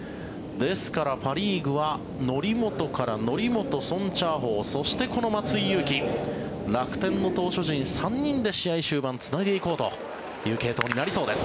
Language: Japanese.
ですから、パ・リーグは則本から則本、ソン・チャーホウそしてこの松井裕樹。楽天の投手陣３人で試合終盤、つないでいこうという継投になりそうです。